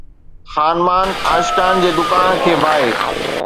خانمان عاشقان جي دڪان کي باهه